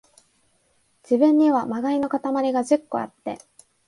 自分には、禍いのかたまりが十個あって、